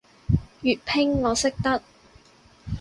粵拼我識得